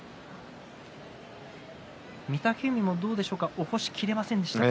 御嶽海もどうでしょうか起こしきれませんでしたか？